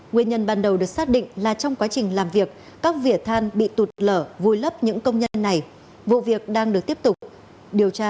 nguyên nhân ban đầu được xác định là trong quá trình làm việc các vỉa than bị tụt lở vùi lấp những công nhân này vụ việc đang được tiếp tục điều tra làm